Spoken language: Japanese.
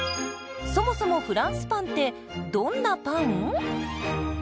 そもそもフランスパンってどんなパン？